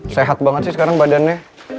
sehat banget sih sekarang badannya